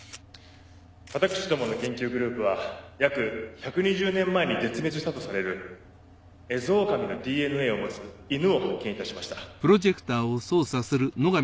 私どもの研究グループは約１２０年前に絶滅したとされるエゾオオカミのＤＮＡを持つ犬を発見いたしました。